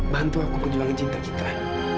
bantu aku perjuangan cinta kita